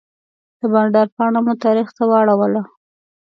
د بانډار پاڼه مو تاریخ ته واړوله.